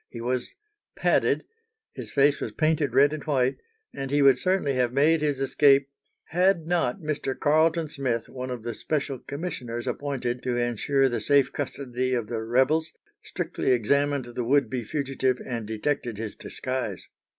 He was padded, his face was painted red and white, and he would certainly have made his escape had not Mr. Carleton Smith, one of the special commissioners appointed to ensure the safe custody of the rebels, strictly examined the would be fugitive and detected his disguise.